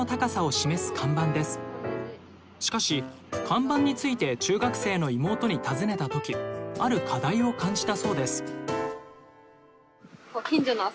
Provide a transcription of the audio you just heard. しかし看板について中学生の妹に尋ねた時ある課題を感じたそうです。